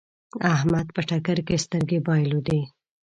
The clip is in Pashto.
احمد په ټکر کې سترګې بايلودې.